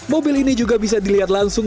mobil ini juga bisa dilihat langsung